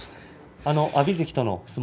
阿炎関の相撲